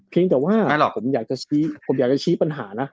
เพียงแต่ว่าผมอยากจะชี้ปัญหานะ